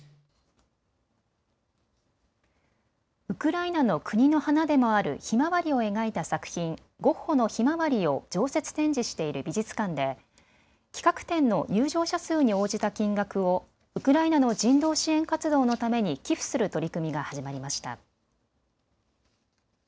ウクライナの国の花でもあるひまわりを描いた作品ゴッホのひまわりを常設展示している美術館で企画展の入場者数に応じた金額をウクライナの人道支援活動のために寄付する取り組みが始まりました。